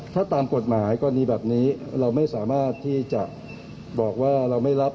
ถ้าตามกฎหมายกรณีแบบนี้เราไม่สามารถที่จะบอกว่าเราไม่รับ